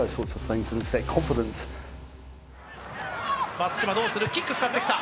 松島どうするキック使ってきた。